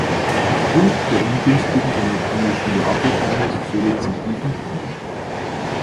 Aufgrund der ungünstigen anatomischen Lage kann es zu Rezidiven kommen.